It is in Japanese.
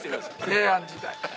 平安時代。